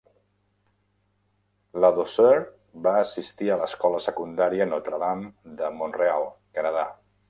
Ladouceur va assistir a l'escola secundària Notre Dame de Mont-real (Canadà).